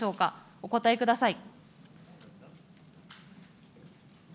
お答えください。